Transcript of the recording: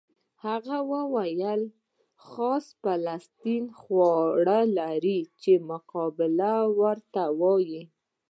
هغه وویل خاص فلسطیني خواړه لري چې مقلوبه ورته وایي.